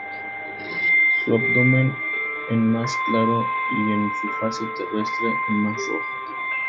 Su abdomen en más claro y en su fase terrestre en más rojo.